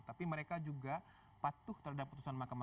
tapi mereka juga patuh terhadap putusan mahkamah